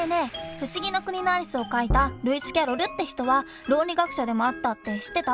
「不思議の国のアリス」を書いたルイス・キャロルって人は論理学者でもあったって知ってた？